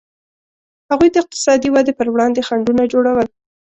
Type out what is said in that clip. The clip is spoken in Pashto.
هغوی د اقتصادي ودې پر وړاندې خنډونه جوړول.